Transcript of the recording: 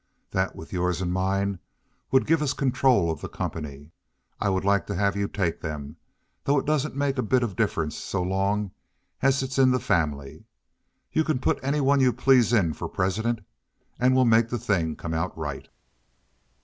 That with yours and mine would give us control of the company. I would like to have you take them, though it doesn't make a bit of difference so long as it's in the family. You can put any one you please in for president, and we'll make the thing come out right."